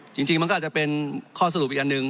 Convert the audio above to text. จริงมันก็อาจจะเป็นข้อสรุปอีกอันหนึ่ง